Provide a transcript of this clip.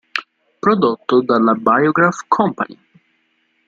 Prodotto dalla Biograph Company..